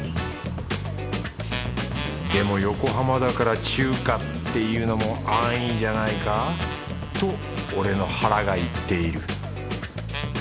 でも横浜だから中華っていうのも安易じゃないか？と俺の腹が言っている